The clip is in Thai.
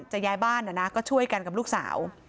จะย้ายบ้านก็ช่วยกันกับลูกสาว